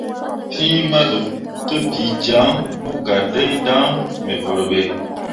Fîi maduutǝbiijaŋ mo gah dai dan me vurɓe.